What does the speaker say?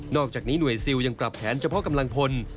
อกจากนี้หน่วยซิลยังปรับแผนเฉพาะกำลังพล